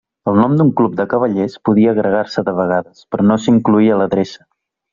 El nom d'un club de cavallers podia agregar-se de vegades, però no s'incloïa l'adreça.